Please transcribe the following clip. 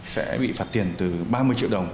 sẽ bị phạt tiền từ ba mươi triệu đồng